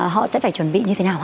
họ sẽ phải chuẩn bị như thế nào